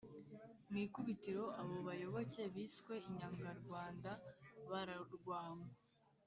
mw'ikubitiro, abo bayoboke biswe "inyangarwanda" bararwanywa.